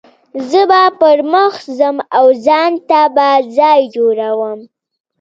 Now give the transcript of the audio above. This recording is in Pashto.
زه به پر مخ ځم او ځان ته به ځای جوړوم.